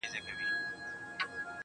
داسې انسان چې ښایي